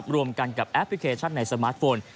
รวมกันกับแอปพลิเคชันในสมาร์ทโฟน